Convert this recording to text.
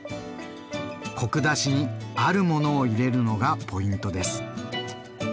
コク出しにあるものを入れるのがポイントです。